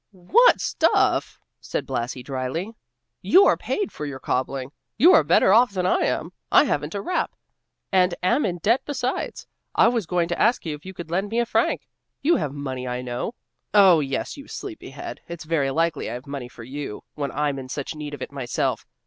"What stuff!" said Blasi, dryly. "You are paid for your cobbling; you are better off than I am. I haven't a rap, and am in debt besides. I was going to ask you if you couldn't lend me a franc. You have money, I know." "Oh yes, you sleepy head! It's very likely I have money for you, when I'm in such need of it myself!